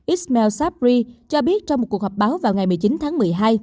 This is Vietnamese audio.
ismail sabri cho biết trong một cuộc họp báo vào ngày một mươi chín tháng một mươi hai